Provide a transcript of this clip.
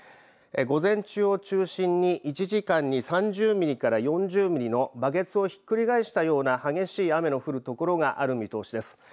午前中を中心に１時間に３０ミリから４０ミリのバケツをひっくり返したような激しい雨の降るところがある見通しです。